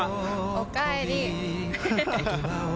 おかえり。